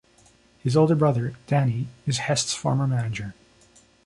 His older brother, Danny, is Hest's former manager.